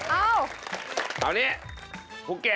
เสาคำยันอาวุธิ